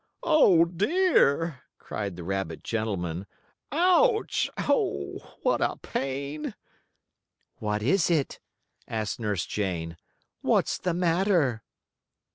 "Oh, dear!" cried the rabbit gentleman. "Ouch! Oh, what a pain!" "What is it?" asked Nurse Jane. "What's the matter?"